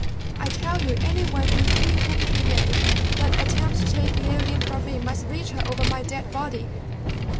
"I tell you any one, be he whom he may, that attempts to take Leoline from me, must reach her over my dead body!"